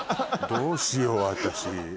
どうしよう私。